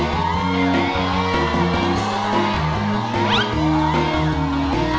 นอนนี้มาแล้วค่ะ